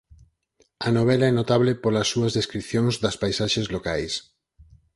A novela é notable polas súas descricións das paisaxes locais.